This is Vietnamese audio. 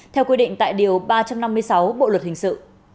theo quy định tại điều ba trăm năm mươi sáu bộ luật hình sự